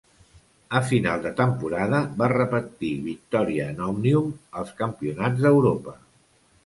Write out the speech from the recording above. A final de temporada va repetir victòria en Òmnium als Campionats d'Europa.